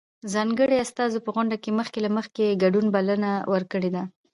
ځانګړو استازو په غونډه کې مخکې له مخکې د ګډون بلنه ورکړې ده.